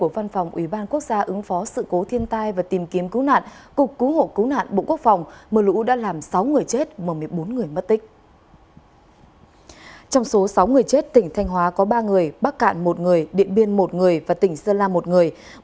trong số sáu người chết tỉnh thanh hóa có ba người bắc cạn một người điện biên một người và tỉnh sơn la một người